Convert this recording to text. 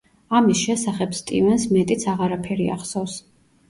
ამის შესახებ სტივენს მეტიც აღარაფერი ახსოვს.